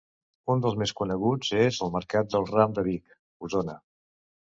Uns dels més coneguts és el Mercat del Ram de Vic, Osona.